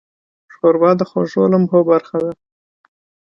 ښوروا د خوږو لمحو برخه ده.